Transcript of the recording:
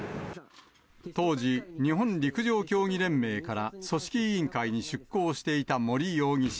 当時、日本陸上競技連盟から組織委員会に出向していた森容疑者。